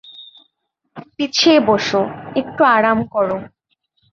পিছিয়ে বসো, একটু আরাম করো।